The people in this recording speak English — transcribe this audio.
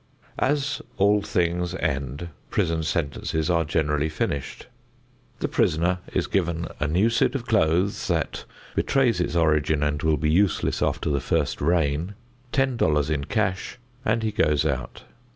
As all things end, prison sentences are generally finished. The prisoner is given a new suit of clothes that betrays its origin and will be useless after the first rain, ten dollars in cash, and he goes out.